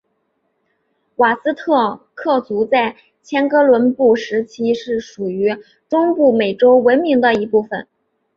瓦斯特克族在前哥伦布时期是属于中部美洲文明的一部份。